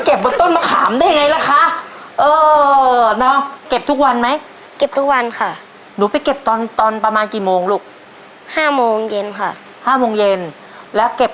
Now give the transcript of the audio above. ไข่ครับ